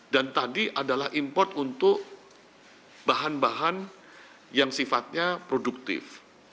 dan tadi adalah import untuk bahan bahan yang sifatnya produktif